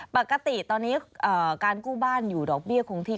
ปกติตอนนี้การกู้บ้านอยู่ดอกเบี้ยคงที่